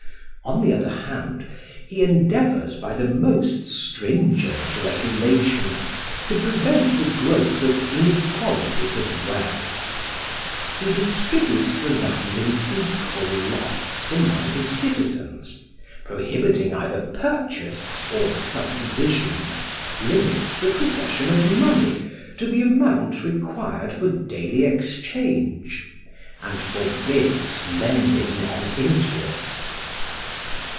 On the other hand, he endeavours by the most stringent regulations, to prevent the growth of inequalities of wealth. He distributes the land in equal lots among his citizens, prohibiting either purchase or sub division; limits the possession of money to the amount required for daily exchange; and forbids lending on interest.